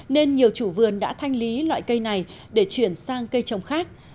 nên nhiều chủ vườn đã thanh lý loại cây này để chuyển sang cây trồng khác